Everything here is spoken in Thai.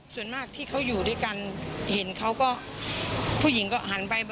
ส่วนมากที่เขาอยู่ด้วยกันเห็นเขาก็ผู้หญิงก็หันไป